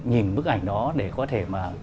nhìn bức ảnh đó để có thể